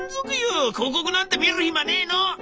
広告なんて見る暇ねえの」。